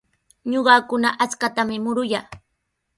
Ñuqakuna achkatami muruyaa.